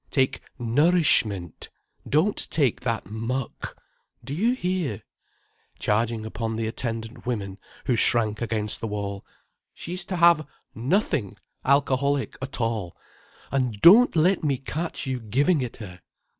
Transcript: Take nourishment, don't take that muck. Do you hear—" charging upon the attendant women, who shrank against the wall—"she's to have nothing alcoholic at all, and don't let me catch you giving it her."